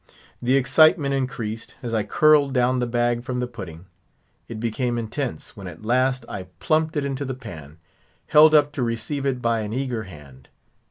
The excitement increased, as I curled down the bag from the pudding; it became intense, when at last I plumped it into the pan, held up to receive it by an eager hand.